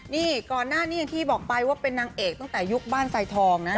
นี่ก่อนหน้านี้อย่างที่บอกไปว่าเป็นนางเอกตั้งแต่ยุคบ้านไซทองนะ